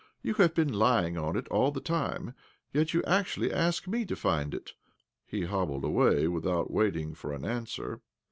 You have been lying on it all the time, yet you actually ask me to find it 1 " He hobbled away with out waiting for an answer.